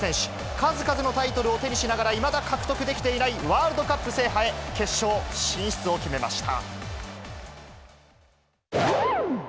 数々のタイトルを手にしながら、いまだ獲得できていないワールドカップ制覇へ、決勝進出を決めました。